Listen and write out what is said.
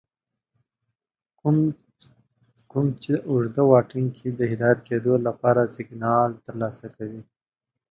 کوم چې اوږد واټن کې د هدایت کېدو لپاره سگنال ترلاسه کوه